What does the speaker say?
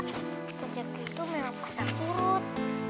kerja gue itu memang masak buruk